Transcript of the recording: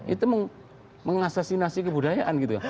itu mengasasinasi kebudayaan gitu